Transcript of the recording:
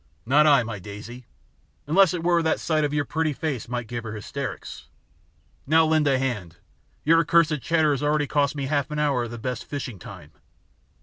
"Not I, my daisy, unless it were that a sight of your pretty face might give her hysterics. Now lend a hand, your accursed chatter has already cost me half an hour of the best fishing time."